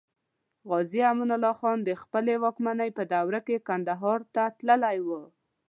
غازي امان الله خان د خپلې واکمنۍ په دوره کې کندهار ته تللی و.